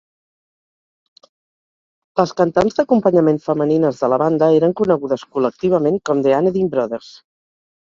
Les cantants d'acompanyament femenines de la banda eren conegudes col·lectivament com The Anadin Brothers.